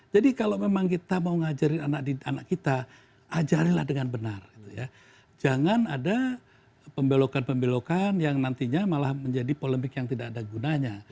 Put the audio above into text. jadi kalau memang kita mau ngajarin anak kita ajarinlah dengan benar jangan ada pembelokan pembelokan yang nantinya malah menjadi polemik yang tidak ada gunanya